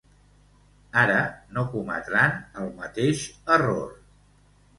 Ara no cometran el mateix error.